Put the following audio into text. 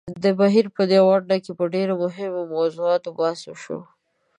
د بهېر په دې غونډه کې په ډېرو مهمو موضوعاتو بحث وشو.